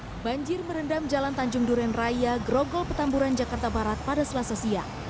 hai banjir merendam jalan tanjung duren raya grogol petamburan jakarta barat pada selasa siang